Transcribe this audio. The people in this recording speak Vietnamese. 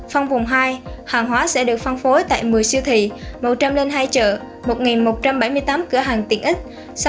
trong vùng hai hàng hóa sẽ được phân phối tại một mươi siêu thị một trăm linh hai chợ một một trăm bảy mươi tám cửa hàng tiện ích